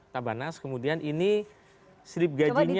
tabanas kemudian ini slip gajinya